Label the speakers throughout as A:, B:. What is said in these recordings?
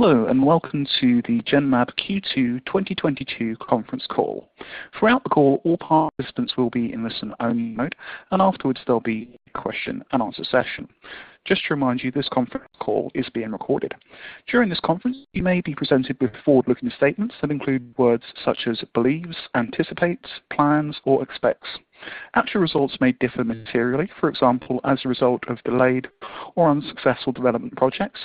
A: Hello and welcome to the Genmab Q2 2022 conference call. Throughout the call, all participants will be in listen-only mode, and afterwards there'll be question and answer session. Just to remind you, this conference call is being recorded. During this conference, you may be presented with forward-looking statements that include words such as believes, anticipates, plans, or expects. Actual results may differ materially, for example, as a result of delayed or unsuccessful development projects.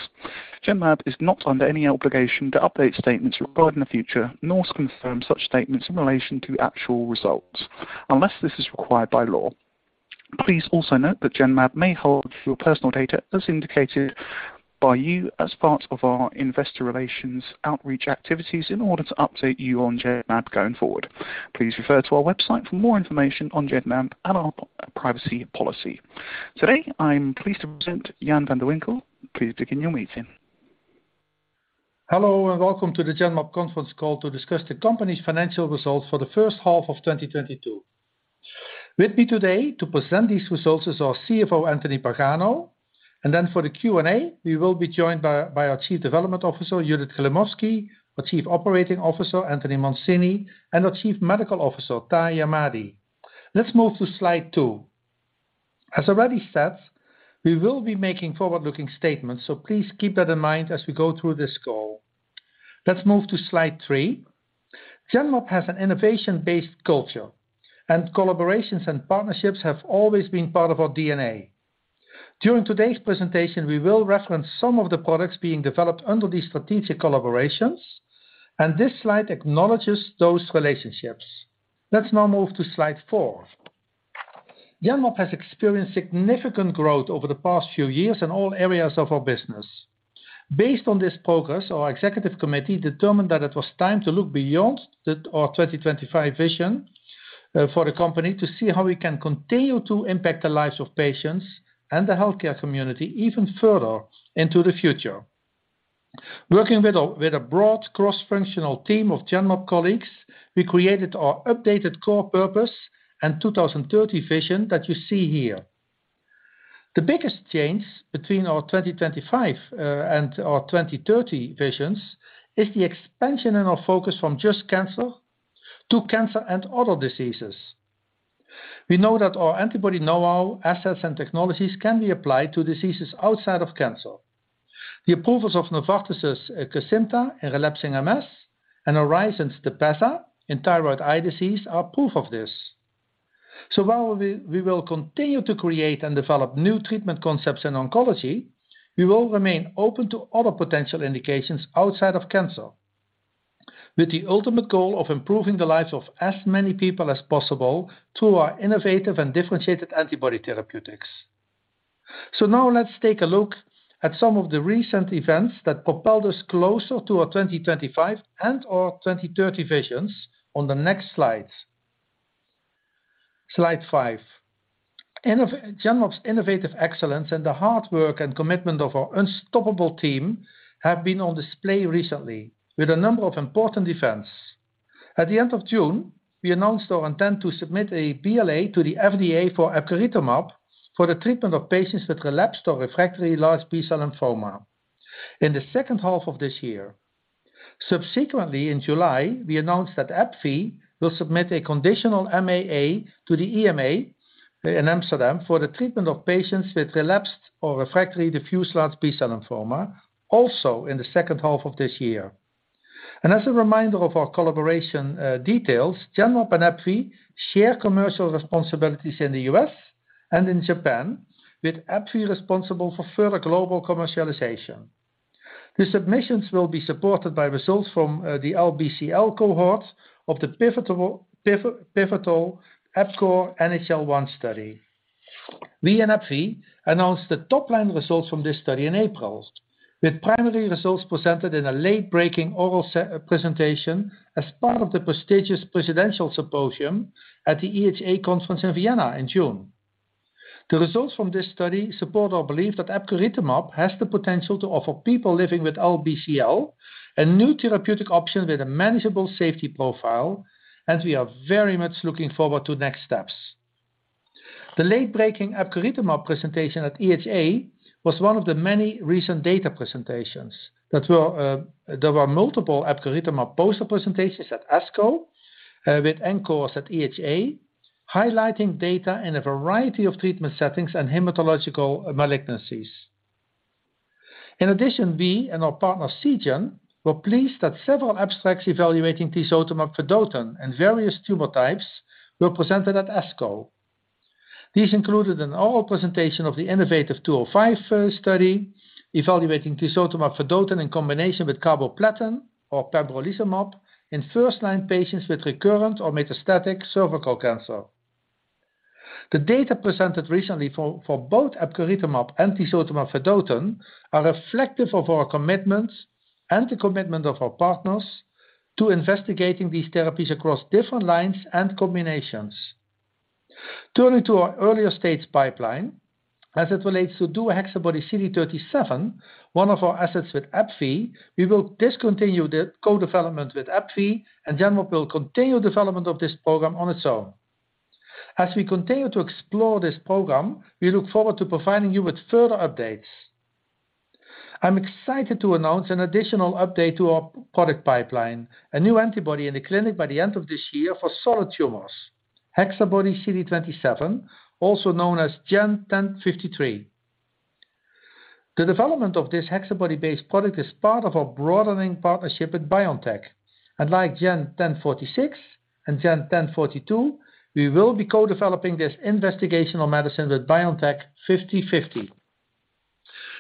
A: Genmab is not under any obligation to update statements regarding the future, nor confirm such statements in relation to actual results unless this is required by law. Please also note that Genmab may hold your personal data as indicated by you as part of our investor relations outreach activities in order to update you on Genmab going forward. Please refer to our website for more information on Genmab and our privacy policy. Today, I'm pleased to present Jan van de Winkel. Please begin your meeting.
B: Hello, and welcome to the Genmab conference call to discuss the company's financial results for the first half of 2022. With me today to present these results is our CFO, Anthony Pagano, and then for the Q&A, we will be joined by our Chief Development Officer, Judith Klimovsky, our Chief Operating Officer, Anthony Mancini, and our Chief Medical Officer, Tahi Ahmadi. Let's move to slide two. As already said, we will be making forward-looking statements, so please keep that in mind as we go through this call. Let's move to slide three. Genmab has an innovation-based culture, and collaborations and partnerships have always been part of our DNA. During today's presentation, we will reference some of the products being developed under these strategic collaborations, and this slide acknowledges those relationships. Let's now move to slide four. Genmab has experienced significant growth over the past few years in all areas of our business. Based on this progress, our executive committee determined that it was time to look beyond our 2025 vision for the company to see how we can continue to impact the lives of patients and the healthcare community even further into the future. Working with a broad cross-functional team of Genmab colleagues, we created our updated core purpose and 2030 vision that you see here. The biggest change between our 2025 and our 2030 visions is the expansion in our focus from just cancer to cancer and other diseases. We know that our antibody know-how, assets, and technologies can be applied to diseases outside of cancer. The approvals of Novartis' Kesimpta in relapsing MS and Horizon's TEPEZZA in thyroid eye disease are proof of this. While we will continue to create and develop new treatment concepts in oncology, we will remain open to other potential indications outside of cancer, with the ultimate goal of improving the lives of as many people as possible through our innovative and differentiated antibody therapeutics. Now let's take a look at some of the recent events that propelled us closer to our 2025 and our 2030 visions on the next slides. Slide five. Genmab's innovative excellence and the hard work and commitment of our unstoppable team have been on display recently with a number of important events. At the end of June, we announced our intent to submit a BLA to the FDA for epcoritamab for the treatment of patients with relapsed or refractory large B-cell lymphoma in the second half of this year. Subsequently, in July, we announced that AbbVie will submit a conditional MAA to the EMA in Amsterdam for the treatment of patients with relapsed or refractory diffuse large B-cell lymphoma, also in the second half of this year. As a reminder of our collaboration details, Genmab and AbbVie share commercial responsibilities in the U.S. and in Japan, with AbbVie responsible for further global commercialization. The submissions will be supported by results from the LBCL cohorts of the pivotal EPCORE NHL-1 study. We and AbbVie announced the top-line results from this study in April, with primary results presented in a late-breaking oral presentation as part of the prestigious Presidential Symposium at the EHA conference in Vienna in June. The results from this study support our belief that epcoritamab has the potential to offer people living with LBCL a new therapeutic option with a manageable safety profile, and we are very much looking forward to next steps. The late-breaking epcoritamab presentation at EHA was one of the many recent data presentations. There were multiple epcoritamab poster presentations at ASCO, with ENCORE at EHA, highlighting data in a variety of treatment settings and hematological malignancies. In addition, we and our partner Seagen were pleased that several abstracts evaluating tisotumab vedotin in various tumor types were presented at ASCO. These included an oral presentation of the innovaTV 205 study evaluating tisotumab vedotin in combination with carboplatin or pembrolizumab in first-line patients with recurrent or metastatic cervical cancer. The data presented recently for both epcoritamab and tisotumab vedotin are reflective of our commitments and the commitment of our partners to investigating these therapies across different lines and combinations. Turning to our earlier-stage pipeline, as it relates to DuoHexaBody-CD37, one of our assets with AbbVie, we will discontinue the co-development with AbbVie, and Genmab will continue development of this program on its own. As we continue to explore this program, we look forward to providing you with further updates. I'm excited to announce an additional update to our product pipeline, a new antibody in the clinic by the end of this year for solid tumors. HexaBody-CD27, also known as GEN-1053. The development of this HexaBody-based product is part of our broadening partnership with BioNTech. Like GEN-1046 and GEN-1042, we will be co-developing this investigational medicine with BioNTech 50/50.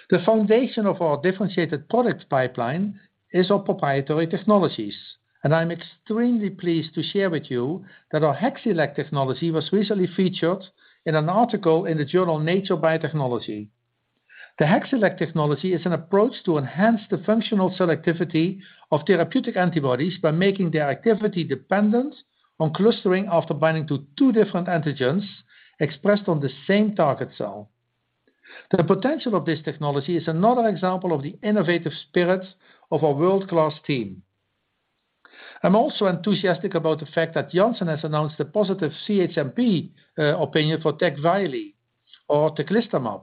B: The foundation of our differentiated product pipeline is our proprietary technologies, and I'm extremely pleased to share with you that our HexElect technology was recently featured in an article in the journal Nature Biotechnology. The HexElect technology is an approach to enhance the functional selectivity of therapeutic antibodies by making their activity dependent on clustering after binding to two different antigens expressed on the same target cell. The potential of this technology is another example of the innovative spirit of our world-class team. I'm also enthusiastic about the fact that Janssen has announced a positive CHMP opinion for TECVAYLI or teclistamab,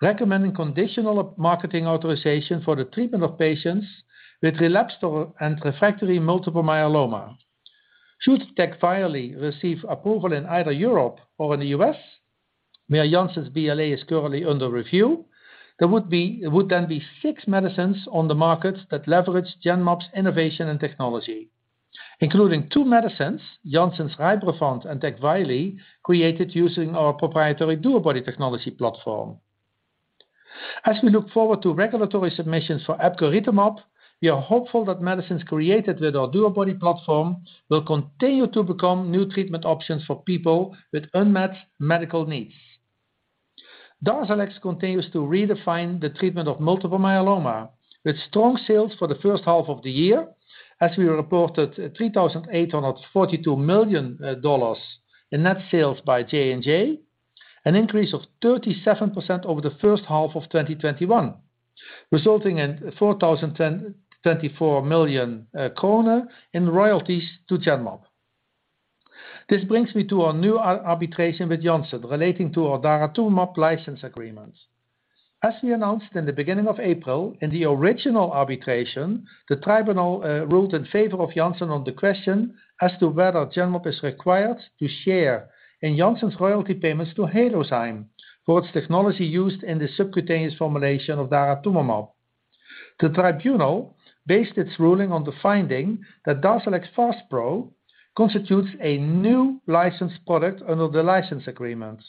B: recommending conditional marketing authorization for the treatment of patients with relapsed and refractory multiple myeloma. Should TECVAYLI receive approval in either Europe or in the U.S., where Janssen's BLA is currently under review, there would then be six medicines on the market that leverage Genmab's innovation and technology, including two medicines, Janssen's RYBREVANT and TECVAYLI, created using our proprietary DuoBody technology platform. As we look forward to regulatory submissions for epcoritamab, we are hopeful that medicines created with our DuoBody platform will continue to become new treatment options for people with unmet medical needs. DARZALEX continues to redefine the treatment of multiple myeloma, with strong sales for the first half of the year as we reported $3,842 million in net sales by J&J, an increase of 37% over the first half of 2021, resulting in 4,024 million kroner in royalties to Genmab. This brings me to our new arbitration with Janssen relating to our daratumumab license agreements. As we announced in the beginning of April, in the original arbitration, the tribunal ruled in favor of Janssen on the question as to whether Genmab is required to share in Janssen's royalty payments to Halozyme for its technology used in the subcutaneous formulation of daratumumab. The tribunal based its ruling on the finding that DARZALEX FASPRO constitutes a new licensed product under the license agreement.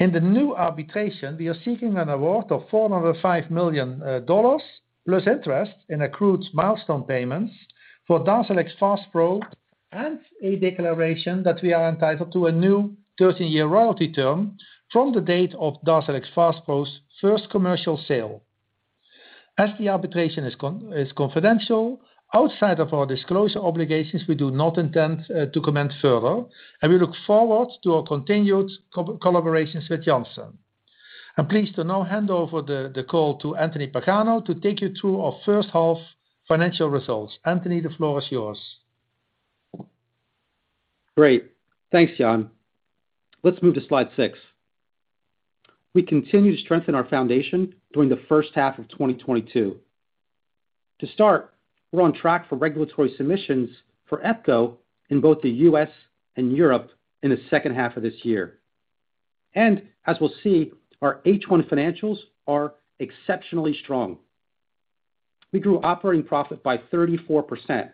B: In the new arbitration, we are seeking an award of $405 million plus interest in accrued milestone payments for DARZALEX FASPRO and a declaration that we are entitled to a new 13-year royalty term from the date of DARZALEX FASPRO's first commercial sale. As the arbitration is confidential, outside of our disclosure obligations, we do not intend to comment further, and we look forward to our continued collaborations with Janssen. I'm pleased to now hand over the call to Anthony Pagano to take you through our first half financial results. Anthony, the floor is yours.
C: Great. Thanks, Jan. Let's move to slide six. We continue to strengthen our foundation during the first half of 2022. To start, we're on track for regulatory submissions for epco in both the U.S. and Europe in the second half of this year. As we'll see, our H1 financials are exceptionally strong. We grew operating profit by 34%, and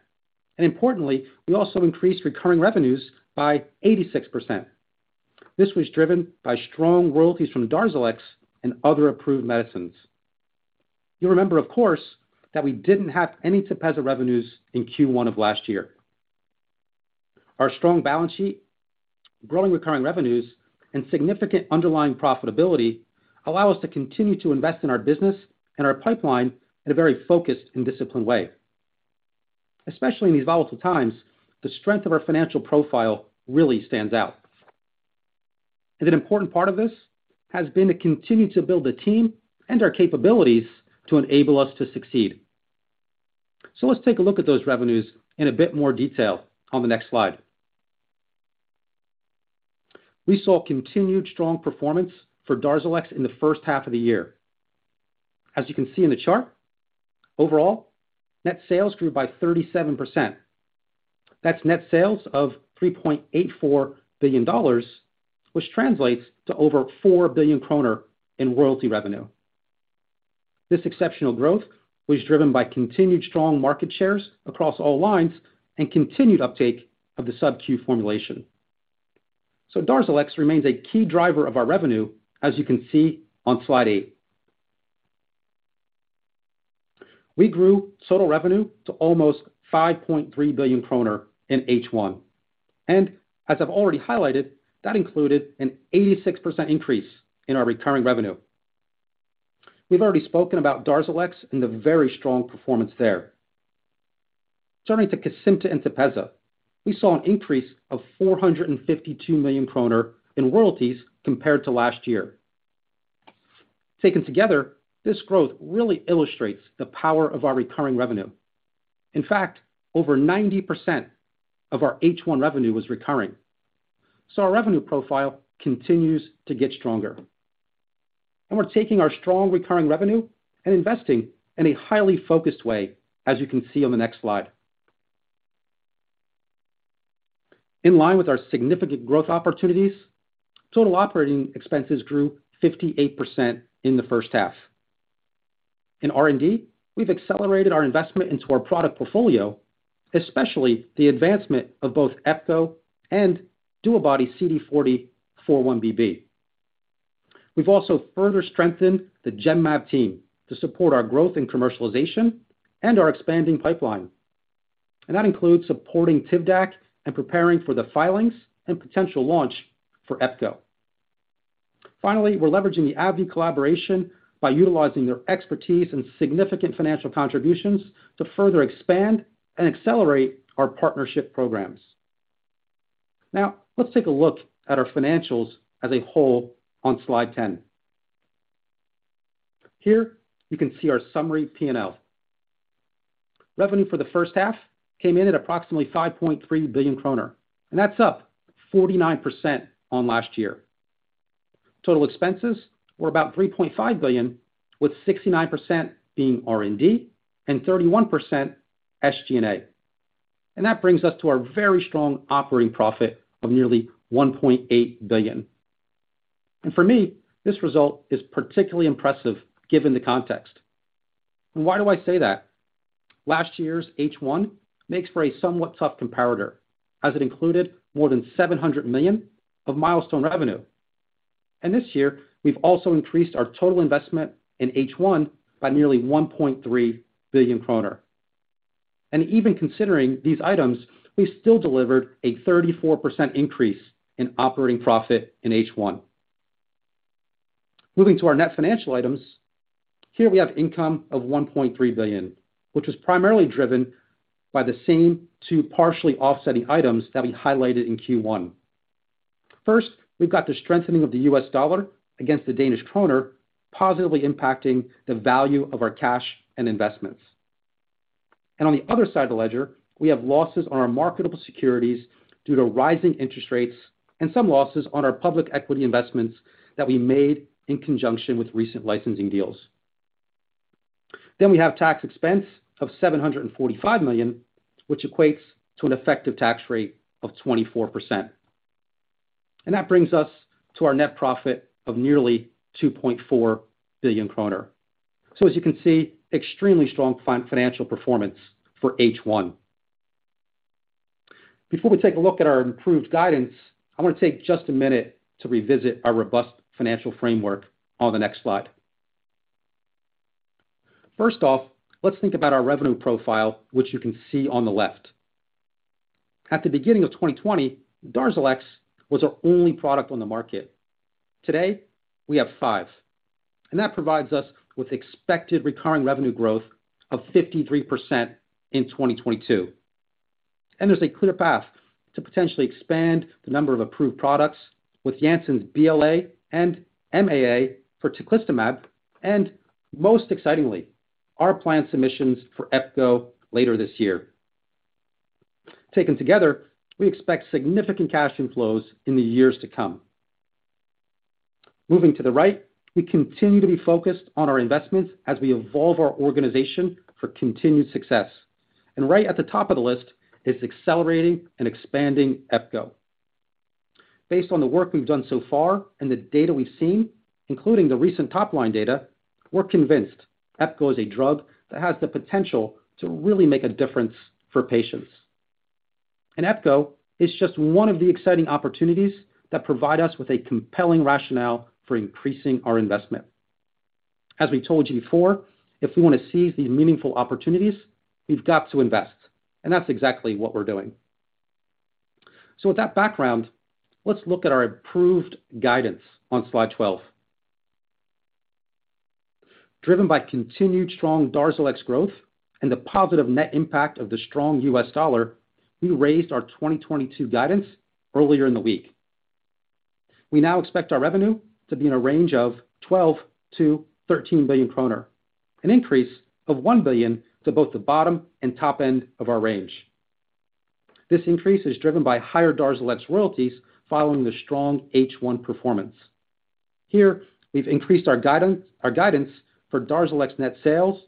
C: importantly, we also increased recurring revenues by 86%. This was driven by strong royalties from DARZALEX and other approved medicines. You'll remember, of course, that we didn't have any TEPEZZA revenues in Q1 of last year. Our strong balance sheet, growing recurring revenues, and significant underlying profitability allow us to continue to invest in our business and our pipeline in a very focused and disciplined way. Especially in these volatile times, the strength of our financial profile really stands out. An important part of this has been to continue to build the team and our capabilities to enable us to succeed. Let's take a look at those revenues in a bit more detail on the next slide. We saw continued strong performance for DARZALEX in the first half of the year. As you can see in the chart, overall, net sales grew by 37%. That's net sales of $3.84 billion which translates to over 4 billion kroner in royalty revenue. This exceptional growth was driven by continued strong market shares across all lines and continued uptake of the subQ formulation. DARZALEX remains a key driver of our revenue as you can see on slide eight. We grew total revenue to almost 5.3 billion kroner in H1. As I've already highlighted, that included an 86% increase in our recurring revenue. We've already spoken about DARZALEX and the very strong performance there. Turning to Kesimpta and TEPEZZA, we saw an increase of 452 million kroner in royalties compared to last year. Taken together, this growth really illustrates the power of our recurring revenue. In fact, over 90% of our H1 revenue was recurring. Our revenue profile continues to get stronger. We're taking our strong recurring revenue and investing in a highly focused way, as you can see on the next slide. In line with our significant growth opportunities, total operating expenses grew 58% in the first half. In R&D, we've accelerated our investment into our product portfolio, especially the advancement of both epco and DuoBody-CD40x4-1BB. We've also further strengthened the Genmab team to support our growth in commercialization and our expanding pipeline. That includes supporting TIVDAK and preparing for the filings and potential launch for epco. Finally, we're leveraging the AbbVie collaboration by utilizing their expertise and significant financial contributions to further expand and accelerate our partnership programs. Now, let's take a look at our financials as a whole on slide 10. Here you can see our summary P&L. Revenue for the first half came in at approximately 5.3 billion kroner, and that's up 49% on last year. Total expenses were about 3.5 billion, with 69% being R&D and 31% SG&A. That brings us to our very strong operating profit of nearly 1.8 billion. For me, this result is particularly impressive given the context. Why do I say that? Last year's H1 makes for a somewhat tough comparator as it included more than 700 million of milestone revenue. This year, we've also increased our total investment in H1 by nearly 1.3 billion kroner. Even considering these items, we still delivered a 34% increase in operating profit in H1. Moving to our net financial items. Here we have income of 1.3 billion, which was primarily driven by the same two partially offsetting items that we highlighted in Q1. First, we've got the strengthening of the US dollar against the Danish kroner, positively impacting the value of our cash and investments. On the other side of the ledger, we have losses on our marketable securities due to rising interest rates and some losses on our public equity investments that we made in conjunction with recent licensing deals. We have tax expense of 745 million, which equates to an effective tax rate of 24%. That brings us to our net profit of nearly 2.4 billion kroner. As you can see, extremely strong financial performance for H1. Before we take a look at our improved guidance, I want to take just a minute to revisit our robust financial framework on the next slide. First off, let's think about our revenue profile, which you can see on the left. At the beginning of 2020, DARZALEX was our only product on the market. Today, we have five, and that provides us with expected recurring revenue growth of 53% in 2022. There's a clear path to potentially expand the number of approved products with Janssen's BLA and MAA for teclistamab, and most excitingly, our planned submissions for epco later this year. Taken together, we expect significant cash inflows in the years to come. Moving to the right, we continue to be focused on our investments as we evolve our organization for continued success. Right at the top of the list is accelerating and expanding epco. Based on the work we've done so far and the data we've seen, including the recent top-line data, we're convinced epco is a drug that has the potential to really make a difference for patients. Epco is just one of the exciting opportunities that provide us with a compelling rationale for increasing our investment. As we told you before, if we want to seize these meaningful opportunities, we've got to invest, and that's exactly what we're doing. With that background, let's look at our improved guidance on slide 12. Driven by continued strong DARZALEX growth and the positive net impact of the strong U.S. dollar, we raised our 2022 guidance earlier in the week. We now expect our revenue to be in a range of 12 billion-13 billion kroner, an increase of 1 billion to both the bottom and top end of our range. This increase is driven by higher DARZALEX royalties following the strong H1 performance. Here, we've increased our guidance, our guidance for DARZALEX net sales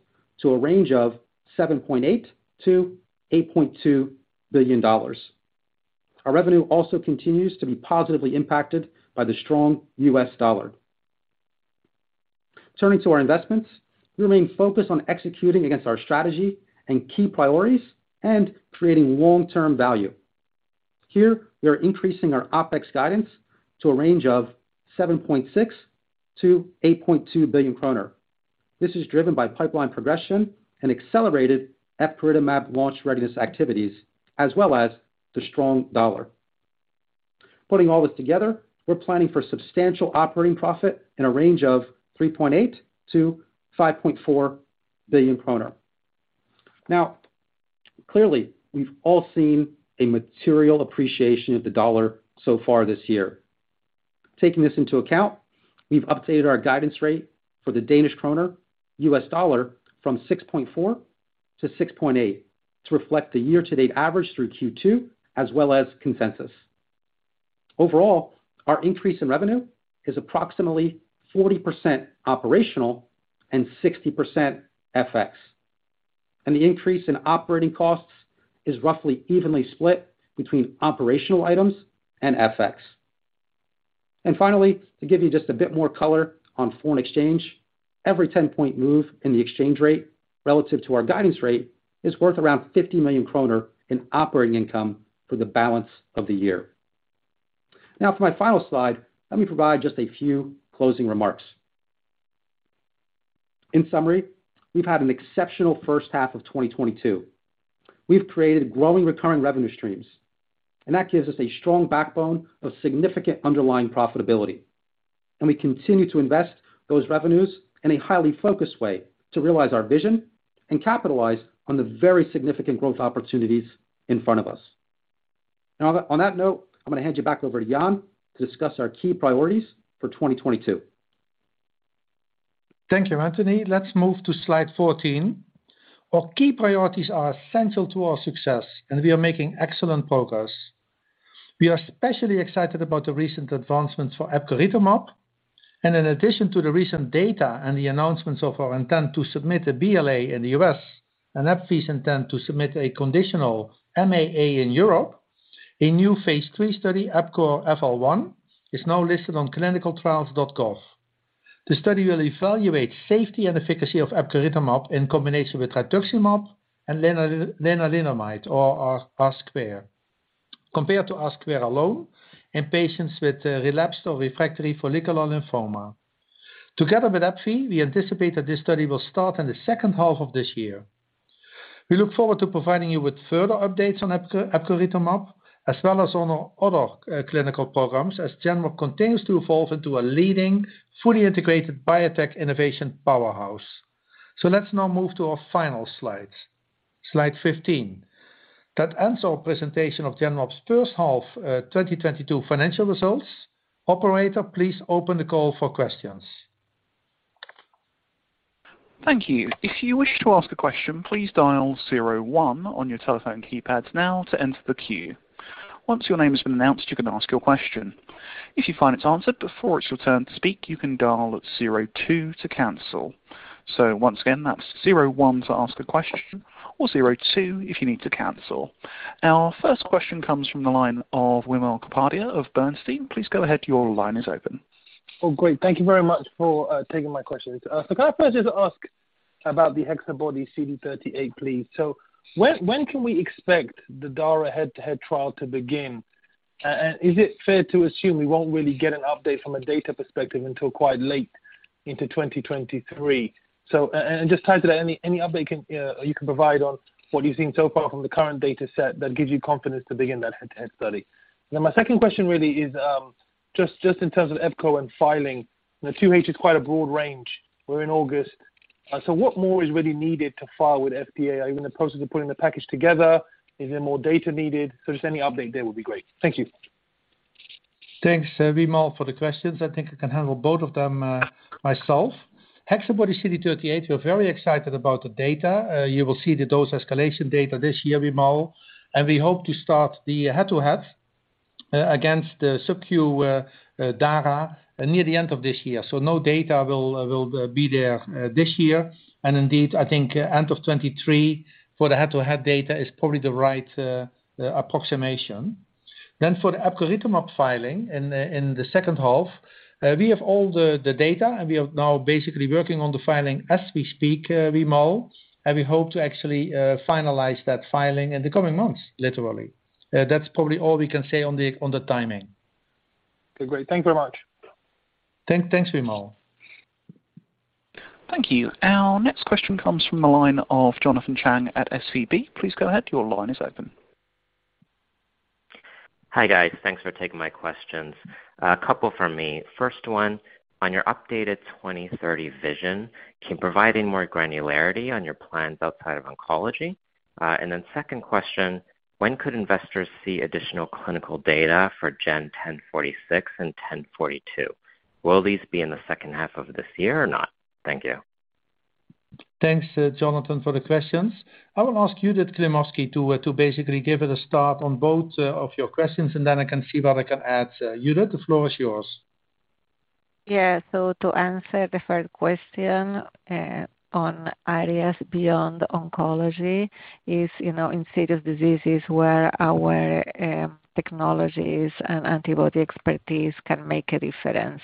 C: to a range of $7.8 billion-$8.2 billion. Our revenue also continues to be positively impacted by the strong U.S. dollar. Turning to our investments, we remain focused on executing against our strategy and key priorities and creating long-term value. Here we are increasing our OpEx guidance to a range of 7.6 billion-8.2 billion kroner. This is driven by pipeline progression and accelerated epcoritamab launch readiness activities, as well as the strong dollar. Putting all this together, we're planning for substantial operating profit in a range of 3.8 billion-5.4 billion kroner. Now, clearly, we've all seen a material appreciation of the dollar so far this year. Taking this into account, we've updated our guidance rate for the Danish kroner US dollar from 6.4 to 6.8 to reflect the year-to-date average through Q2 as well as consensus. Overall, our increase in revenue is approximately 40% operational and 60% FX, and the increase in operating costs is roughly evenly split between operational items and FX. Finally, to give you just a bit more color on foreign exchange, every 10-point move in the exchange rate relative to our guidance rate is worth around 50 million kroner in operating income for the balance of the year. Now for my final slide, let me provide just a few closing remarks. In summary, we've had an exceptional first half of 2022. We've created growing recurring revenue streams, and that gives us a strong backbone of significant underlying profitability. We continue to invest those revenues in a highly focused way to realize our vision and capitalize on the very significant growth opportunities in front of us. Now on that note, I'm gonna hand you back over to Jan to discuss our key priorities for 2022.
B: Thank you, Anthony. Let's move to slide 14. Our key priorities are essential to our success, and we are making excellent progress. We are especially excited about the recent advancements for epcoritamab. In addition to the recent data and the announcements of our intent to submit a BLA in the U.S. and AbbVie's intent to submit a conditional MAA in Europe, a new phase III study, EPCORE FL-1, is now listed on ClinicalTrials.gov. The study will evaluate safety and efficacy of epcoritamab in combination with rituximab and lenalidomide or R2, compared to R2 alone in patients with relapsed or refractory follicular lymphoma. Together with AbbVie, we anticipate that this study will start in the second half of this year. We look forward to providing you with further updates on epcoritamab as well as on our other clinical programs as Genmab continues to evolve into a leading fully integrated biotech innovation powerhouse. Let's now move to our final slide 15. That ends our presentation of Genmab's first half 2022 financial results. Operator, please open the call for questions.
A: Thank you. If you wish to ask a question, please dial zero one on your telephone keypads now to enter the queue. Once your name has been announced, you can ask your question. If you find it's answered before it's your turn to speak, you can dial at zero two to cancel. Once again, that's zero one to ask a question or zero two if you need to cancel. Our first question comes from the line of Wimal Kapadia of Bernstein. Please go ahead. Your line is open.
D: Oh, great. Thank you very much for taking my questions. So can I first just ask about the HexaBody-CD38, please? So when can we expect the DARA head-to-head trial to begin? And is it fair to assume we won't really get an update from a data perspective until quite late into 2023? And just tied to that, any update you can provide on what you've seen so far from the current data set that gives you confidence to begin that head-to-head study. Now, my second question really is just in terms of epco and filing. The 2H is quite a broad range. We're in August. So what more is really needed to file with FDA? Are you in the process of putting the package together? Is there more data needed? Just any update there would be great. Thank you.
B: Thanks, Wimal, for the questions. I think I can handle both of them myself. HexaBody-CD38, we're very excited about the data. You will see the dose escalation data this year, Wimal, and we hope to start the head-to-head against the subQ DARA near the end of this year. No data will be there this year. Indeed, I think end of 2023 for the head-to-head data is probably the right approximation. For the epcoritamab filing in the second half, we have all the data, and we are now basically working on the filing as we speak, Wimal, and we hope to actually finalize that filing in the coming months, literally. That's probably all we can say on the timing.
D: Okay, great. Thank you very much.
B: Thanks, Wimal.
A: Thank you. Our next question comes from the line of Jonathan Chang at SVB. Please go ahead. Your line is open.
E: Hi, guys. Thanks for taking my questions. A couple from me. First one, on your updated 2030 vision, can you provide more granularity on your plans outside of oncology? Second question, when could investors see additional clinical data for GEN1046 and GEN1042? Will these be in the second half of this year or not? Thank you.
B: Thanks, Jonathan, for the questions. I will ask Judith Klimovsky to basically give it a start on both of your questions, and then I can see what I can add. Judith, the floor is yours.
F: Yeah. To answer the first question, on areas beyond oncology is, you know, in serious diseases where our technologies and antibody expertise can make a difference.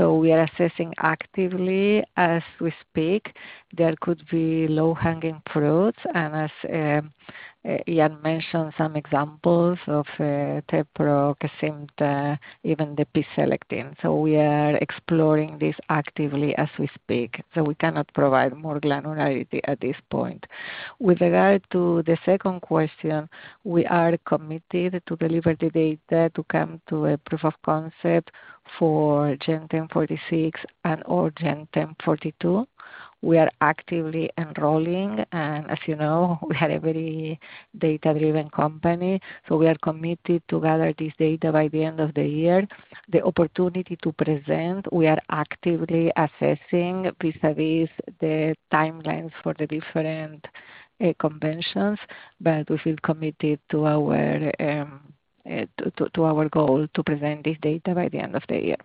F: We are assessing actively as we speak. There could be low-hanging fruits and as Jan mentioned some examples of TEPEZZA, Casirivimab, even the P-selectin. We are exploring this actively as we speak, so we cannot provide more granularity at this point. With regard to the second question, we are committed to deliver the data to come to a proof of concept for GEN1046 and/or GEN1042. We are actively enrolling. As you know, we are a very data-driven company, so we are committed to gather this data by the end of the year. The opportunity to present, we are actively assessing vis-à-vis the timelines for the different conventions, but we feel committed to our goal to present this data by the end of the year.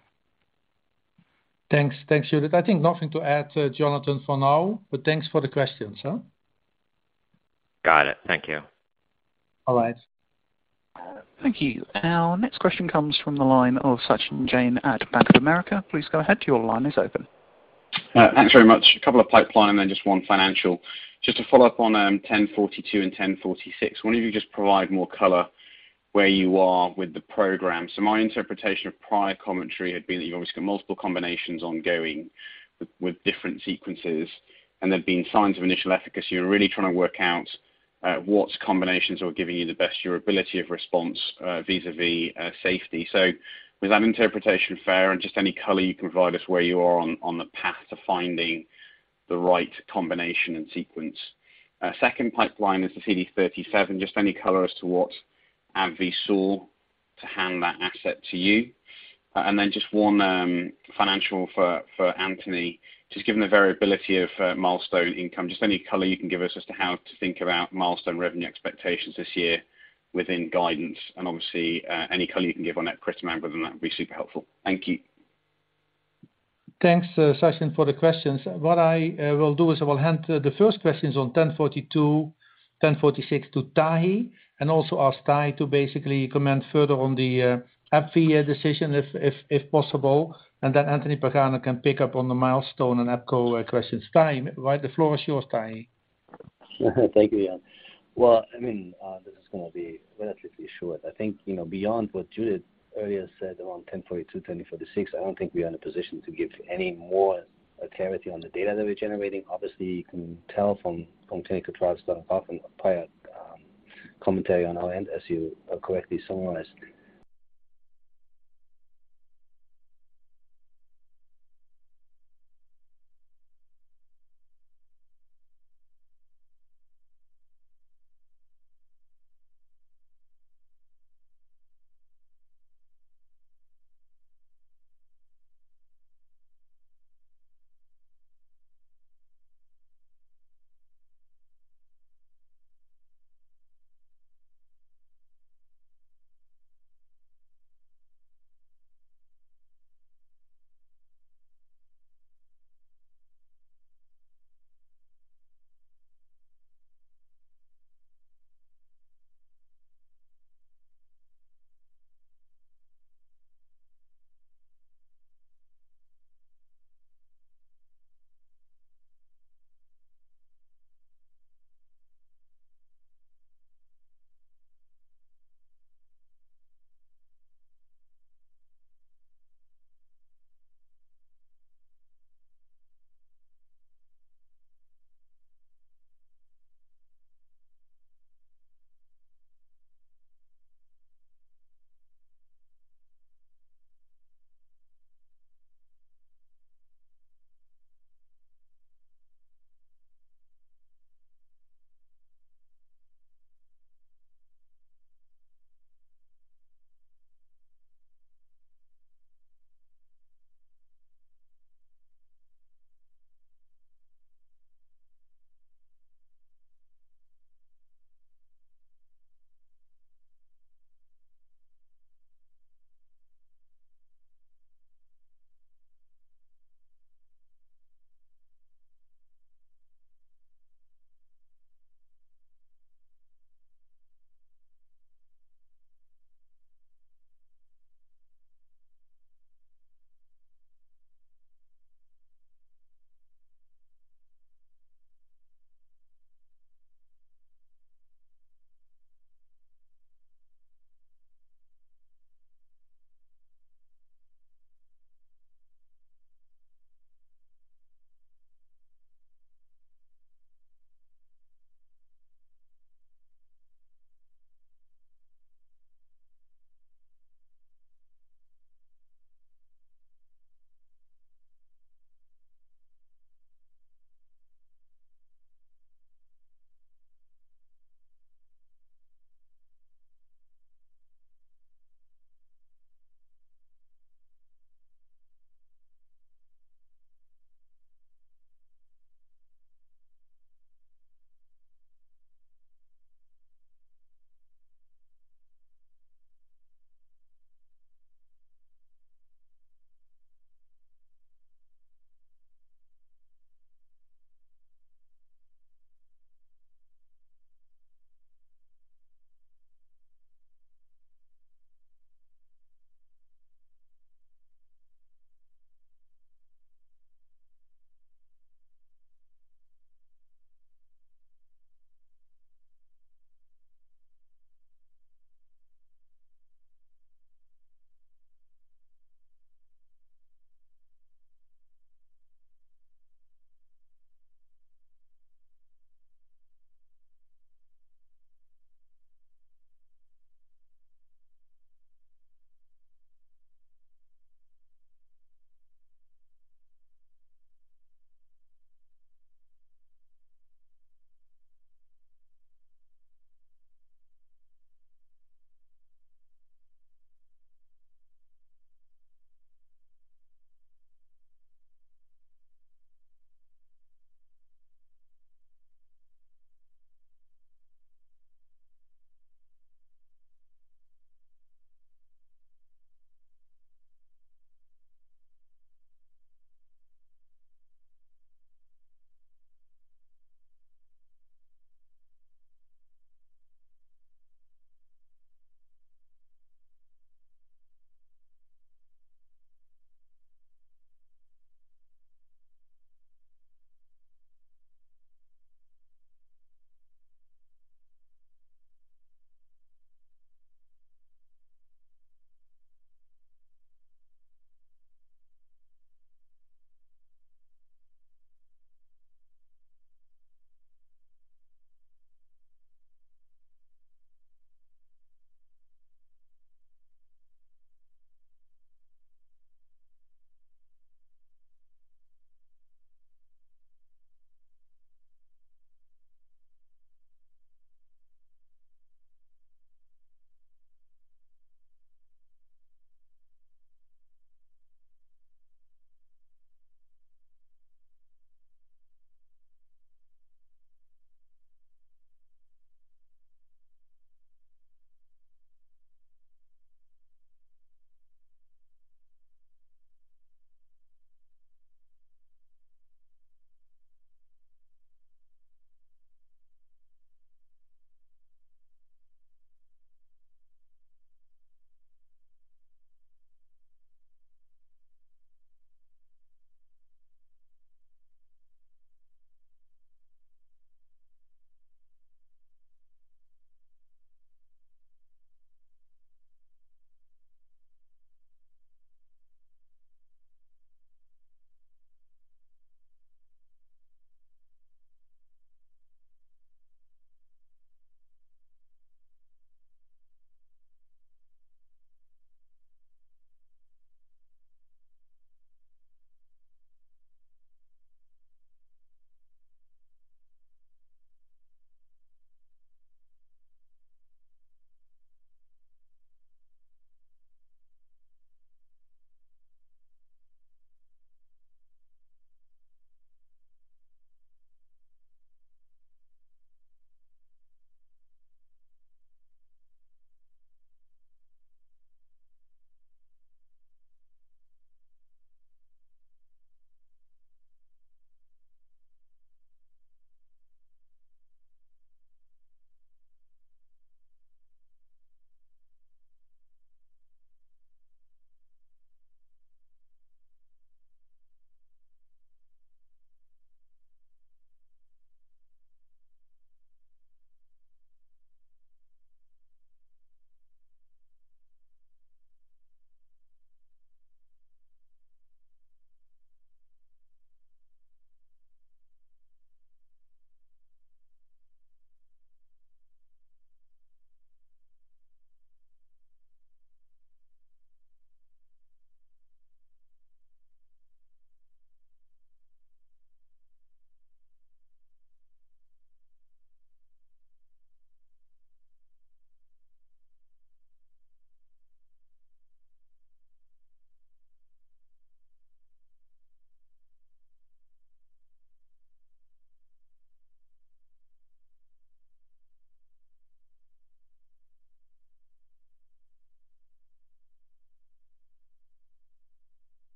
B: Thanks. Thanks, Judith. I think nothing to add, Jonathan, for now, but thanks for the questions, huh? Got it. Thank you.
G: All right.
A: Thank you. Our next question comes from the line of Sachin Jain at Bank of America. Please go ahead. Your line is open.
H: Thanks very much. A couple of pipeline and then just one financial. Just to follow up on GEN1042 and GEN1046. I wonder if you could just provide more color where you are with the program. So my interpretation of prior commentary had been that you obviously got multiple combinations ongoing with different sequences, and there have been signs of initial efficacy. You're really trying to work out what combinations are giving you the best durability of response vis-a-vis safety. With that interpretation fair, and just any color you can provide us where you are on the path to finding the right combination and sequence. Second pipeline is the CD37. Just any color as to what AbbVie saw to hand that asset to you. Just one financial for Anthony. Just given the variability of milestone income, just any color you can give us as to how to think about milestone revenue expectations this year within guidance. Obviously, any color you can give on that would be super helpful. Thank you.
B: Thanks, Sachin, for the questions. What I will do is I will hand the first questions on GEN1042, GEN1046 to Tahi, and also ask Tahi to basically comment further on the, AbbVie decision if possible, and then Anthony Pagano can pick up on the milestone and epco questions. Tahi, right, the floor is yours, Tahi.
I: Thank you, Jan. Well, I mean, this is gonna be relatively short. I think, you know, beyond what Judith earlier said around GEN1042, GEN1046, I don't think we are in a position to give any more clarity on the data that we're generating. Obviously, you can tell from clinical trials that apart from prior commentary on our end, as you correctly summarized.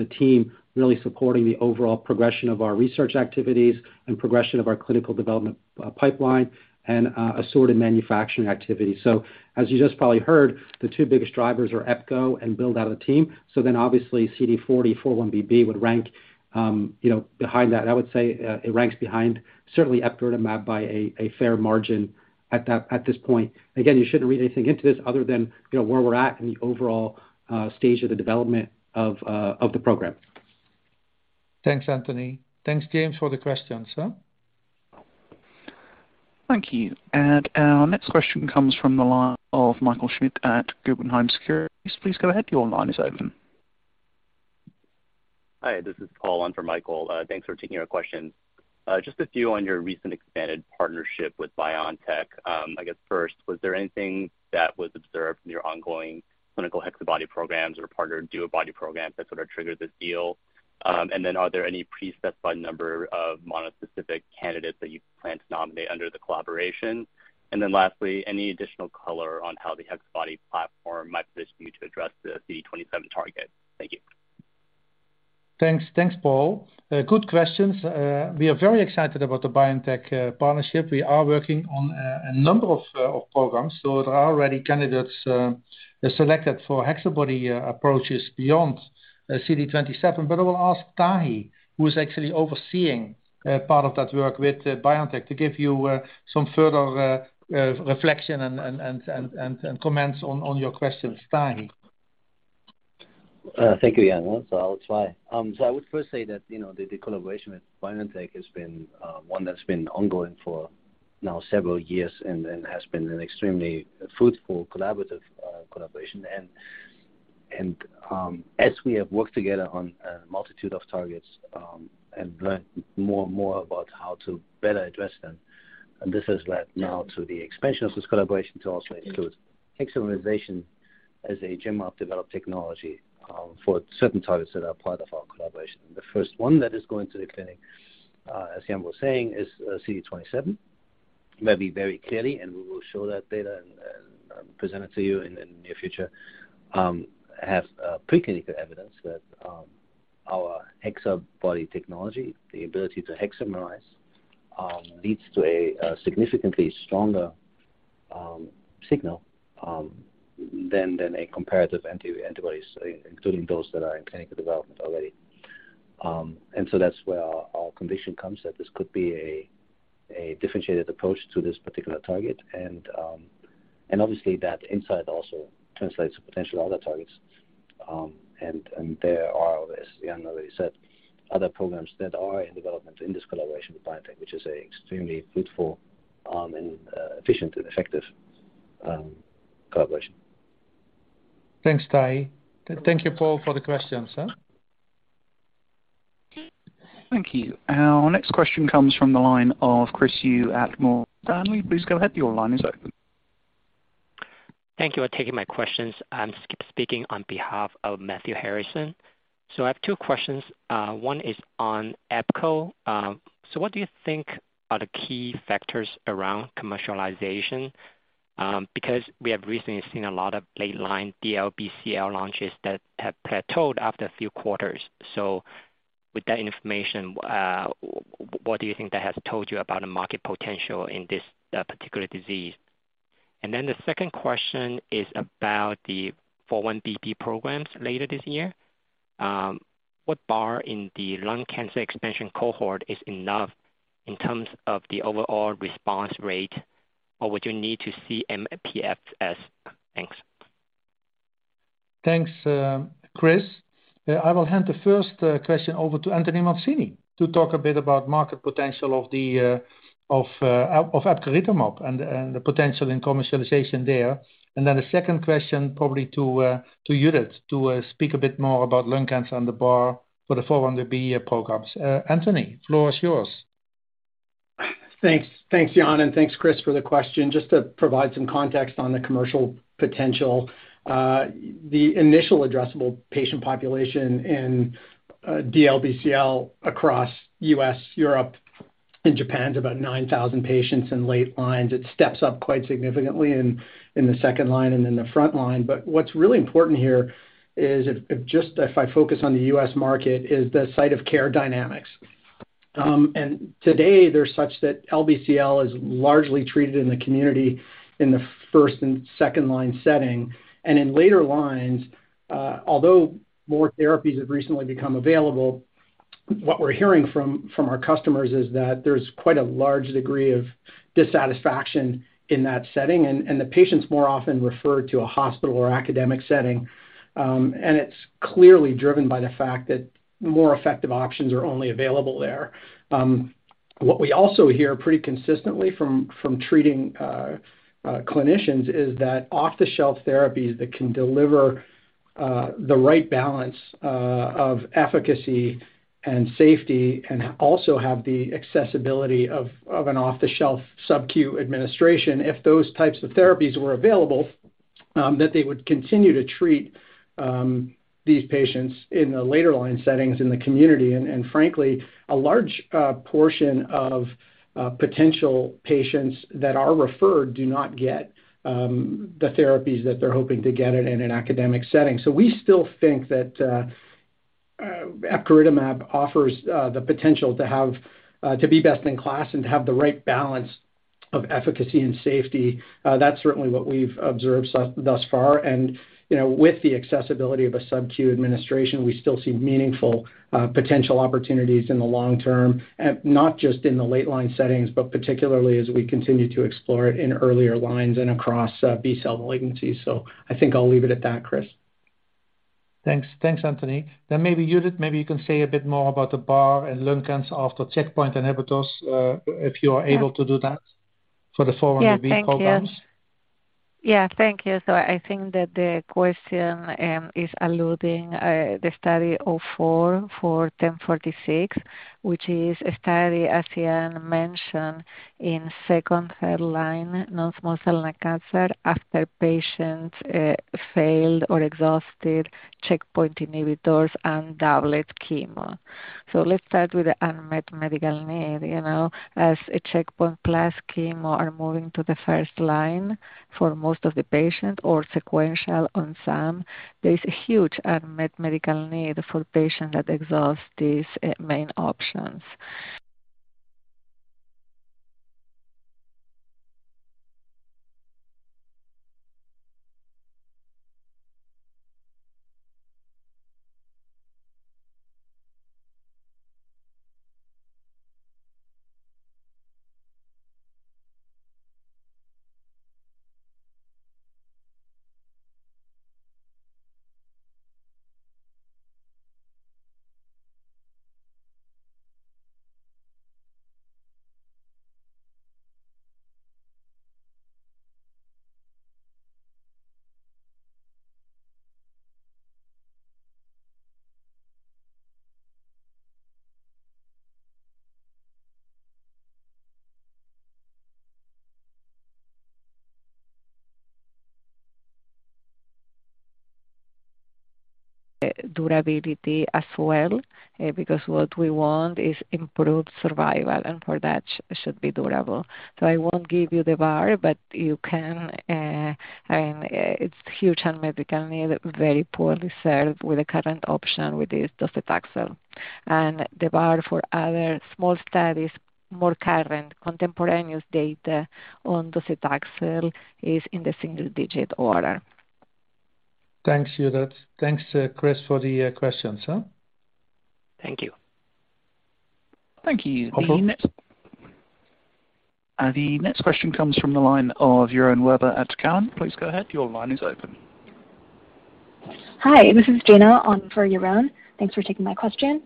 C: The team really supporting the overall progression of our research activities and progression of our clinical development, pipeline and assorted manufacturing activity. As you just probably heard, the two biggest drivers are epco and build out a team. Obviously CD40x4-1BB would rank, you know, behind that. I would say, it ranks behind certainly epcoritamab by a fair margin at that, at this point. Again, you shouldn't read anything into this other than, you know, where we're at in the overall stage of the development of the program.
B: Thanks, Anthony. Thanks, Jain, for the question, sir.
A: Thank you. Our next question comes from the line of Michael Schmidt at Guggenheim Securities. Please go ahead. Your line is open.
J: Hi, this is Paul on for Michael. Thanks for taking our question. Just a few on your recent expanded partnership with BioNTech. I guess first, was there anything that was observed from your ongoing clinical HexaBody programs or partner DuoBody programs that sort of triggered this deal? Are there any preset number of monospecific candidates that you plan to nominate under the collaboration? Lastly, any additional color on how the HexaBody platform might position you to address the CD27 target. Thank you.
B: Thanks. Thanks, Paul. Good questions. We are very excited about the BioNTech partnership. We are working on a number of programs, so there are already candidates selected for HexaBody approaches beyond CD27. I will ask Tahi, who is actually overseeing part of that work with BioNTech, to give you some further reflection and comments on your questions. Tahi.
I: Thank you, Jan. I'll try. I would first say that, you know, the collaboration with BioNTech has been one that's been ongoing for now several years and has been an extremely fruitful collaboration. As we have worked together on a multitude of targets and learned more and more about how to better address them, this has led now to the expansion of this collaboration to also include hexamerization as a Genmab developed technology for certain targets that are part of our collaboration. The first one that is going to the clinic, as Jan was saying, is CD27. Make it very clear, we will show that data and present it to you in the near future. We have preclinical evidence that our HexaBody technology, the ability to hexamerize, leads to a significantly stronger signal than comparative antibodies, including those that are in clinical development already. That's where our conviction comes, that this could be a differentiated approach to this particular target. Obviously that insight also translates to potential other targets. There are, as Jan already said, other programs that are in development in this collaboration with BioNTech, which is an extremely fruitful, efficient and effective collaboration.
B: Thanks, Tahi. Thank you, Paul, for the questions.
A: Thank you. Our next question comes from the line of Chris Yu at Morgan Stanley, please go ahead. Your line is open.
K: Thank you for taking my questions. I'm speaking on behalf of Matthew Harrison. I have two questions. One is on epco. What do you think are the key factors around commercialization? Because we have recently seen a lot of late line DLBCL launches that have plateaued after a few quarters. With that information, what do you think that has told you about the market potential in this particular disease? The second question is about the 4-1BB programs later this year. What bar in the lung cancer expansion cohort is enough in terms of the overall response rate or would you need to see mPFS? Thanks.
B: Thanks, Chris. I will hand the first question over to Anthony Mancini to talk a bit about market potential of epcoritamab and the potential in commercialization there. Then the second question probably to Judith to speak a bit more about lung cancer and the bar for the 4-1BB programs. Anthony, floor is yours.
L: Thanks. Thanks, Jan, and thanks, Chris, for the question. Just to provide some context on the commercial potential, the initial addressable patient population in DLBCL across U.S., Europe, and Japan is about 9,000 patients in late lines. It steps up quite significantly in the second line and in the front line. What's really important here is if just I focus on the U.S. market, is the site of care dynamics. Today they're such that LBCL is largely treated in the community in the first and second line setting. In later lines, although more therapies have recently become available, what we're hearing from our customers is that there's quite a large degree of dissatisfaction in that setting. The patients more often refer to a hospital or academic setting, and it's clearly driven by the fact that more effective options are only available there. What we also hear pretty consistently from treating clinicians is that off-the-shelf therapies that can deliver the right balance of efficacy and safety and also have the accessibility of an off-the-shelf subQ administration, if those types of therapies were available, that they would continue to treat these patients in the later line settings in the community. Frankly, a large portion of potential patients that are referred do not get the therapies that they're hoping to get it in an academic setting. We still think that epcoritamab offers the potential to have. To be best in class and have the right balance of efficacy and safety. That's certainly what we've observed thus far. You know, with the accessibility of a subQ administration, we still see meaningful potential opportunities in the long term, not just in the late line settings, but particularly as we continue to explore it in earlier lines and across B cell malignancies. I think I'll leave it at that, Chris.
B: Thanks. Thanks, Anthony. Maybe Judith, maybe you can say a bit more about the brain and lung cancer after checkpoint inhibitors, if you are able to do that for the 4-1BB programs.
F: Yeah, thank you. I think that the question is alluding to the study of GEN1046, which is a study, as Jan mentioned, in second- and third-line non-small cell lung cancer after patients failed or exhausted checkpoint inhibitors and doublet chemo. Let's start with the unmet medical need. You know, as a checkpoint plus chemo are moving to the first line for most of the patients or sequential on some, there is a huge unmet medical need for patients that exhaust these main options. Durability as well, because what we want is improved survival, and for that should be durable. I won't give you the bar, but you can. I mean, it's huge unmet medical need, very poorly served with the current option with docetaxel. The bar for other small studies, more current contemporaneous data on docetaxel is in the single-digit order.
B: Thanks, Judith. Thanks, Chris, for the questions.
K: Thank you.
A: Thank you. The next question comes from the line of Yaron Werber at Cowen. Please go ahead. Your line is open.
M: Hi, this is Jana on for Yaron. Thanks for taking my question.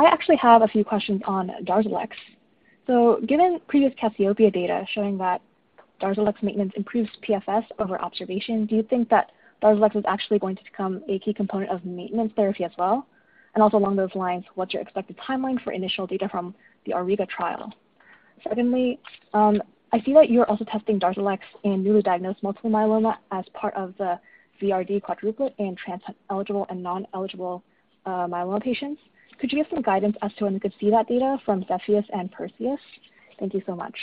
M: I actually have a few questions on DARZALEX. Given previous CASSIOPEIA data showing that DARZALEX maintenance improves PFS over observation, do you think that DARZALEX is actually going to become a key component of maintenance therapy as well? And also along those lines, what's your expected timeline for initial data from the AURIGA trial? Secondly, I see that you're also testing DARZALEX in newly diagnosed multiple myeloma as part of the VRd quadruplet in transplant-eligible and ineligible myeloma patients. Could you give some guidance as to when we could see that data from CEPHEUS and PERSEUS? Thank you so much.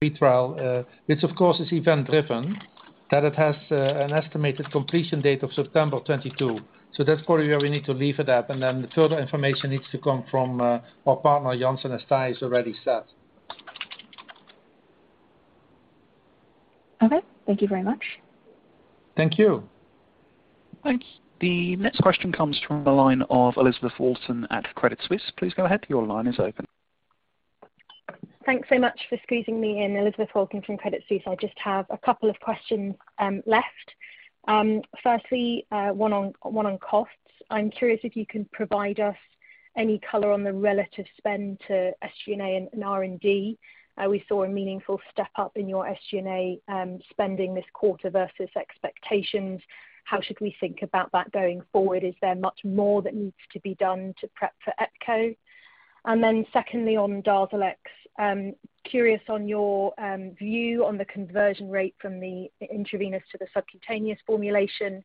B: The trial, which of course is event-driven, that it has an estimated completion date of September 2022. That's probably where we need to leave it at, and then the further information needs to come from our partner, Janssen, as Tahi has already said.
M: Okay. Thank you very much.
B: Thank you.
A: Thanks. The next question comes from the line of Elizabeth Walton at Credit Suisse. Please go ahead. Your line is open.
N: Thanks so much for squeezing me in. Elizabeth Walton from Credit Suisse. I just have a couple of questions left. Firstly, one on costs. I'm curious if you can provide us any color on the relative spend to SG&A and R&D. We saw a meaningful step up in your SG&A spending this quarter versus expectations. How should we think about that going forward? Is there much more that needs to be done to prep for epco? Secondly, on DARZALEX, curious on your view on the conversion rate from the intravenous to the subcutaneous formulation.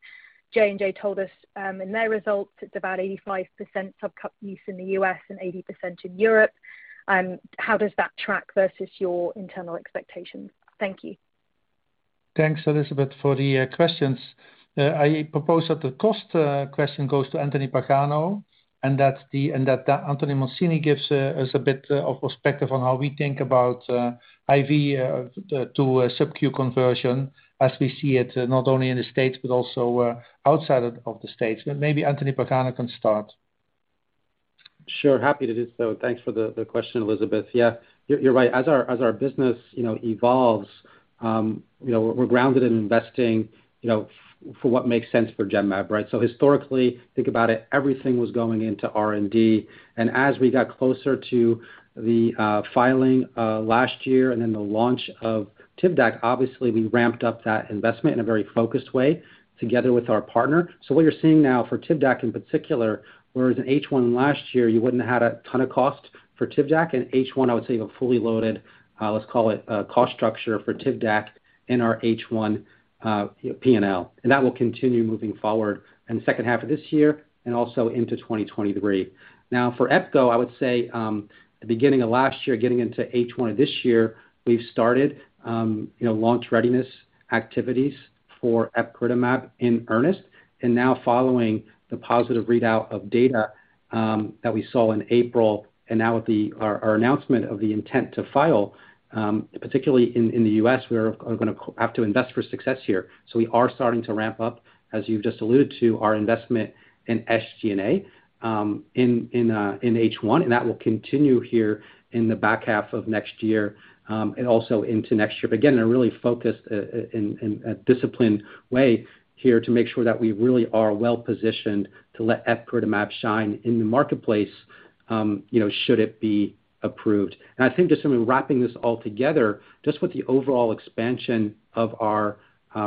N: J&J told us in their results, it's about 85% subcut use in the U.S. and 80% in Europe. How does that track versus your internal expectations? Thank you.
B: Thanks, Elizabeth, for the questions. I propose that the cost question goes to Anthony Pagano, and that Anthony Mancini gives us a bit of perspective on how we think about IV to a subQ conversion as we see it, not only in the States but also outside of the States. Maybe Anthony Pagano can start.
C: Sure. Happy to do so. Thanks for the question, Elizabeth. Yeah, you're right. As our business, you know, evolves, you know, we're grounded in investing, you know, for what makes sense for Genmab, right? Historically, think about it, everything was going into R&D. As we got closer to the filing last year and then the launch of TIVDAK, obviously we ramped up that investment in a very focused way together with our partner. What you're seeing now for TIVDAK in particular, whereas in H1 last year, you wouldn't have had a ton of cost for TIVDAK, in H1, I would say, a fully loaded, let's call it a cost structure for TIVDAK in our H1 P&L. That will continue moving forward in the second half of this year and also into 2023. Now for epco, I would say, the beginning of last year, getting into H1 this year, we've started, you know, launch readiness activities for epcoritamab in earnest. Now following the positive readout of data, that we saw in April and now with our announcement of the intent to file, particularly in the U.S., we are gonna have to invest for success here. We are starting to ramp up, as you've just alluded to, our investment in SG&A, in H1, and that will continue here in the back half of next year, and also into next year. Again, in a really focused, and a disciplined way here to make sure that we really are well-positioned to let epcoritamab shine in the marketplace, you know, should it be approved. I think just sort of wrapping this all together, just with the overall expansion of our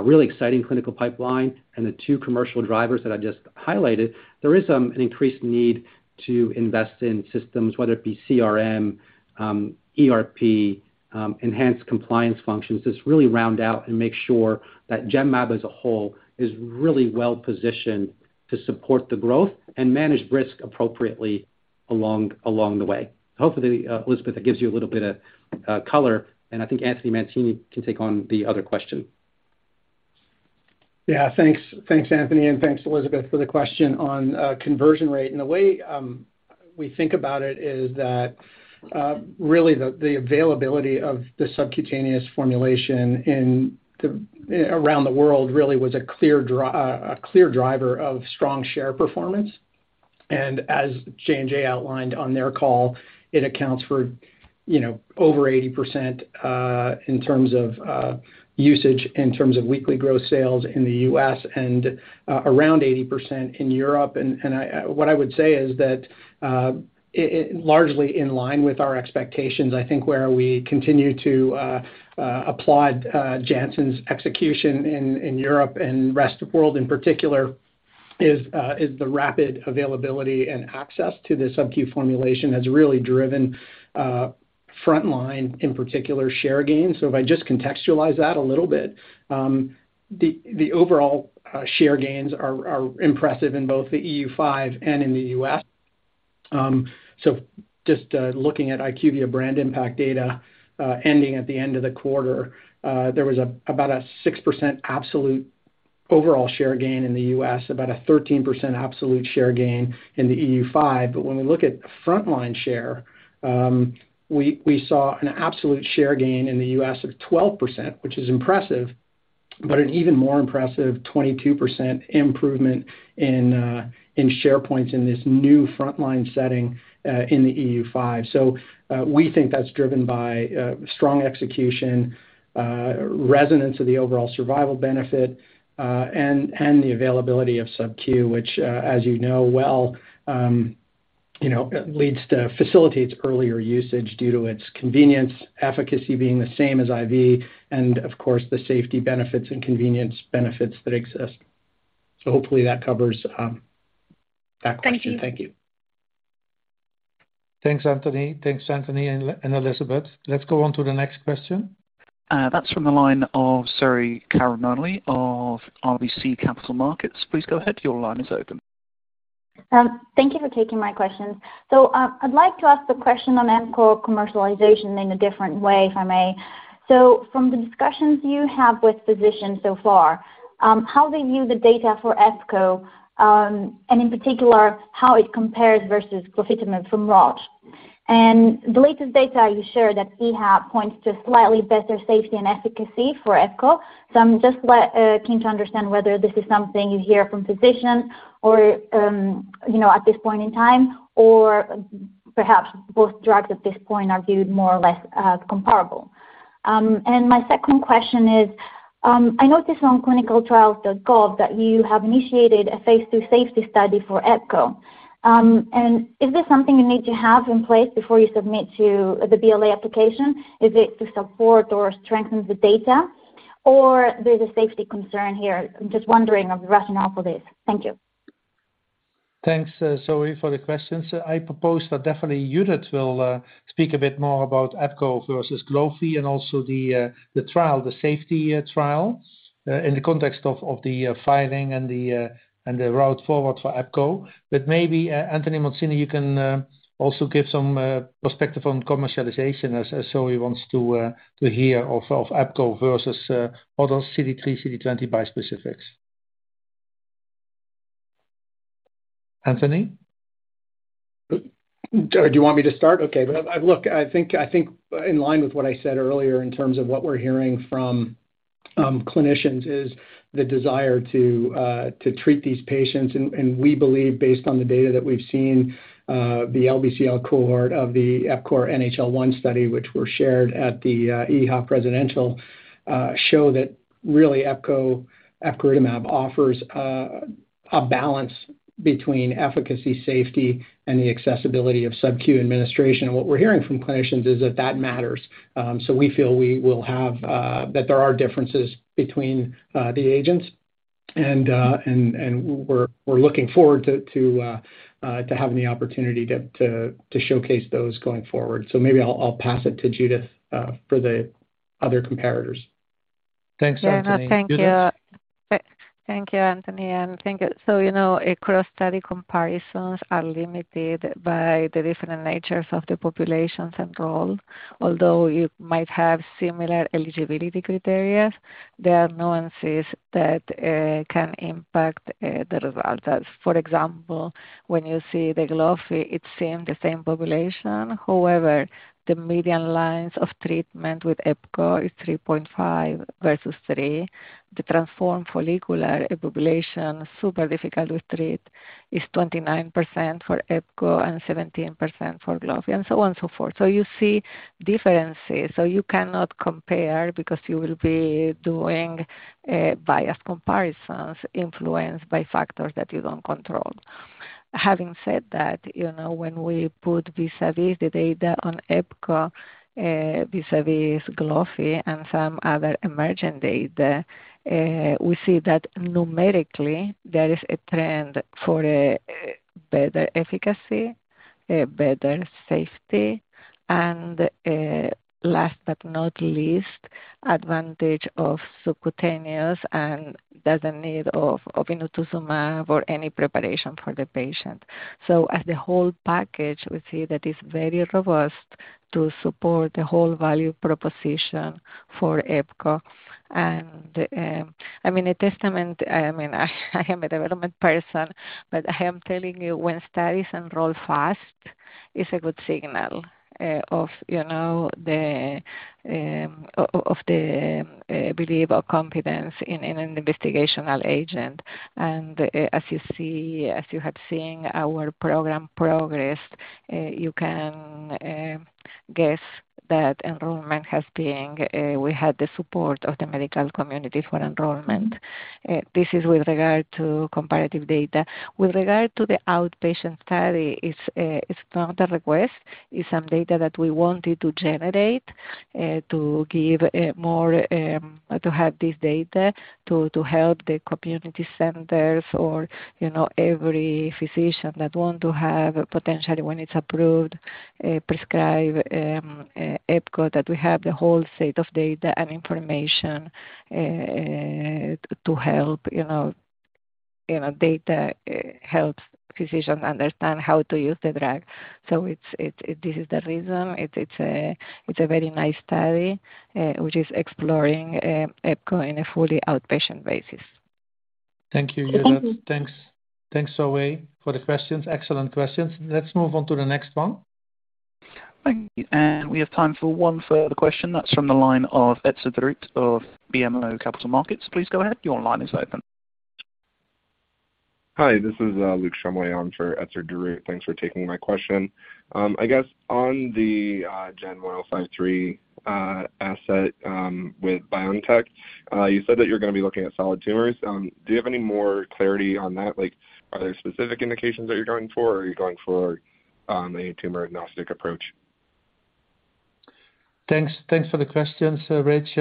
C: really exciting clinical pipeline and the two commercial drivers that I just highlighted, there is an increased need to invest in systems, whether it be CRM, ERP, enhanced compliance functions, just really round out and make sure that Genmab as a whole is really well-positioned to support the growth and manage risk appropriately along the way. Hopefully, Elizabeth, that gives you a little bit of color, and I think Anthony Mancini can take on the other question.
L: Yeah. Thanks. Thanks, Anthony, and thanks Elizabeth for the question on conversion rate. The way we think about it is that really the availability of the subcutaneous formulation around the world really was a clear driver of strong share performance. As J&J outlined on their call, it accounts for, you know, over 80% in terms of usage, in terms of weekly gross sales in the U.S. and around 80% in Europe. What I would say is that it largely in line with our expectations. I think where we continue to applaud Janssen's execution in Europe and rest of world in particular is the rapid availability and access to the subQ formulation has really driven frontline in particular share gains. If I just contextualize that a little bit, the overall share gains are impressive in both the EU five and in the US. Just looking at IQVIA BrandImpact data, ending at the end of the quarter, there was about a 6% absolute overall share gain in the US, about a 13% absolute share gain in the EU five. When we look at frontline share, we saw an absolute share gain in the US of 12%, which is impressive, but an even more impressive 22% improvement in share points in this new frontline setting in the EU five. We think that's driven by strong execution, resonance of the overall survival benefit, and the availability of subQ, which, as you know well, you know, facilitates earlier usage due to its convenience, efficacy being the same as IV, and of course, the safety benefits and convenience benefits that exist. Hopefully that covers that question.
N: Thank you.
L: Thank you.
B: Thanks, Anthony. Thanks, Anthony and Elizabeth. Let's go on to the next question.
A: That's from the line of Zoe Karamanoli of RBC Capital Markets. Please go ahead. Your line is open.
O: Thank you for taking my questions. I'd like to ask a question on epco commercialization in a different way, if I may. From the discussions you have with physicians so far, how they view the data for epco, and in particular, how it compares versus glofitamab from Roche. The latest data you shared at EHA points to slightly better safety and efficacy for epco. I'm just keen to understand whether this is something you hear from physicians or, you know, at this point in time, or perhaps both drugs at this point are viewed more or less comparable. My second question is, I noticed on ClinicalTrials.gov that you have initiated a phase II safety study for epco. Is this something you need to have in place before you submit to the BLA application? Is it to support or strengthen the data, or there's a safety concern here? I'm just wondering of the rationale for this. Thank you.
B: Thanks, Zoe, for the questions. I propose that definitely Judith will speak a bit more about epco versus glofi and also the trial, the safety trial in the context of the filing and the road forward for epco. Maybe Anthony Mancini, you can also give some perspective on commercialization as Zoe wants to hear of epco versus other CD3, CD20 bispecifics. Anthony?
L: Do you want me to start? Okay. Look, I think in line with what I said earlier in terms of what we're hearing from clinicians is the desire to treat these patients. We believe based on the data that we've seen, the LBCL cohort of the EPCORE NHL-1 study, which were shared at the EHA Presidential Symposium that really epco, epcoritamab offers a balance between efficacy, safety and the accessibility of subQ administration. What we're hearing from clinicians is that that matters. We feel we will have that there are differences between the agents. We're looking forward to having the opportunity to showcase those going forward. Maybe I'll pass it to Judith for the other comparators.
B: Thanks, Anthony.
F: Yeah. No, thank you.
B: Judith.
F: Thank you, Anthony. I think it, you know, across study comparisons are limited by the different natures of the populations enrolled. Although you might have similar eligibility criteria, there are nuances that can impact the results. As for example, when you see the glofi, it seems the same population. However, the median lines of treatment with epco is 3.5 versus 3. The transformed follicular population, super difficult to treat, is 29% for epco and 17% for glofi, and so on and so forth. You see differences. You cannot compare because you will be doing biased comparisons influenced by factors that you don't control. Having said that, you know, when we put vis-a-vis the data on epco, vis-a-vis glofi and some other emergent data, we see that numerically there is a trend for a better efficacy, a better safety, and, last but not least, advantage of subcutaneous and there's no need of obinutuzumab or any preparation for the patient. So as the whole package, we see that it's very robust to support the whole value proposition for epco. I mean, I am a development person, but I am telling you when studies enroll fast, it's a good signal of, you know, the believable confidence in an investigational agent. As you see, as you have seen our program progress, you can guess that enrollment has been, we had the support of the medical community for enrollment. This is with regard to comparative data. With regard to the outpatient study, it's not a request, it's some data that we wanted to generate to give more, to have this data to help the community centers or, you know, every physician that want to have potentially when it's approved, prescribe epco, that we have the whole set of data and information to help, you know. Data helps physicians understand how to use the drug. This is the reason. It's a very nice study which is exploring epco in a fully outpatient basis.
B: Thank you, Judith.
F: Mm-hmm.
B: Thanks, Zoe, for the questions. Excellent questions. Let's move on to the next one.
A: Thank you. We have time for one further question. That's from the line of Etzer Darout of BMO Capital Markets. Please go ahead. Your line is open.
P: Hi, this is Luke Shumway on for Etzer Darout. Thanks for taking my question. I guess on the GEN1053 asset with BioNTech, you said that you're gonna be looking at solid tumors. Do you have any more clarity on that? Like, are there specific indications that you're going for, or are you going for a tumor-agnostic approach?
B: Thanks. Thanks for the question, Sir Rich.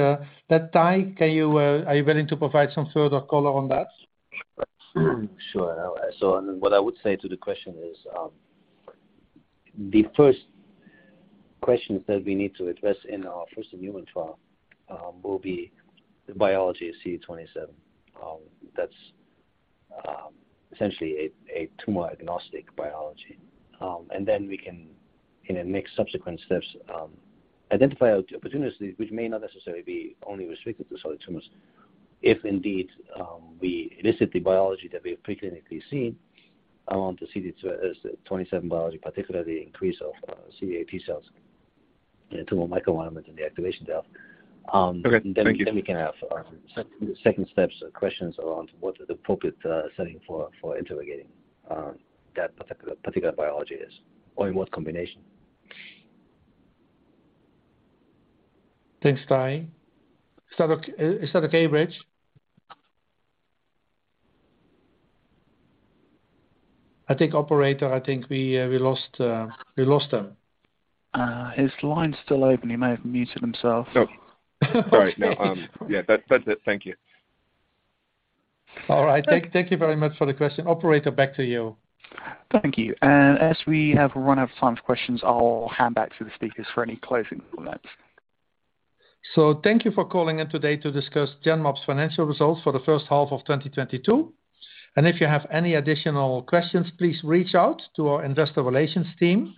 B: Tahi, are you willing to provide some further color on that?
I: Sure. What I would say to the question is, the first questions that we need to address in our first human trial will be the biology of CD27. That's essentially a tumor-agnostic biology. We can in the next subsequent steps identify opportunities which may not necessarily be only restricted to solid tumors. If indeed we elicit the biology that we have pre-clinically seen, I want to see the CD27 biology, particularly increase of CAF cells in a tumor microenvironment and the activation there.
P: Okay. Thank you.
I: We can have second steps or questions around what is the appropriate setting for interrogating that particular biology is or in what combination.
B: Thanks, Tahi. Is that okay, Rich? I think, operator, I think we lost him.
A: His line's still open. He may have muted himself.
P: No. Sorry. No. Yeah, that's it. Thank you.
B: All right. Thank you very much for the question. Operator, back to you.
A: Thank you. As we have run out of time for questions, I'll hand back to the speakers for any closing remarks.
B: Thank you for calling in today to discuss Genmab's financial results for the first half of 2022. If you have any additional questions, please reach out to our investor relations team.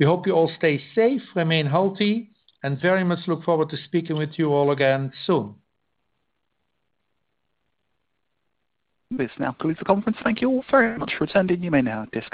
B: We hope you all stay safe, remain healthy, and very much look forward to speaking with you all again soon.
A: This now concludes the conference. Thank you all very much for attending. You may now disconnect.